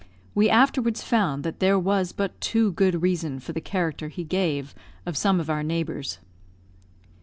We afterwards found that there was but too good reason for the character he gave of some of our neighbours.